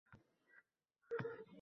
Bo’lur ogoh